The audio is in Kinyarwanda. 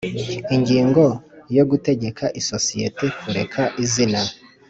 Ingingo ya gutegeka isosiyete kureka izina